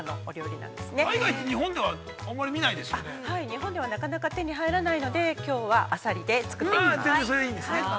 日本ではなかなか手に入らないのできょうはあさりで作ってみます。